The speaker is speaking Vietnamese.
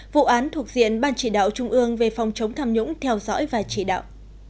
vụ án thuộc diện ban chỉ đạo trung ương về phòng chống tham nhũng theo dõi và chỉ đạo